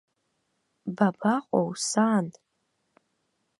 Бабаҟоу, сан!